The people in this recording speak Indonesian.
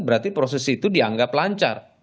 berarti proses itu dianggap lancar